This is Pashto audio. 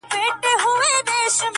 د خيرات په ورځ د يتيم پزه ويني سي.